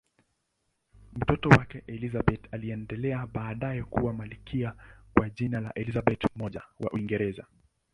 Mtoto wake Elizabeth aliendelea baadaye kuwa malkia kwa jina la Elizabeth I wa Uingereza.